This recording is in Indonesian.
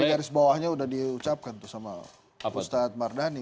jadi garis bawahnya udah diucapkan tuh sama ustadz mardhani